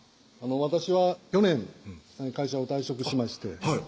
私は去年会社を退職しましてはい